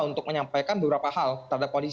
untuk menyampaikan beberapa hal terhadap kondisi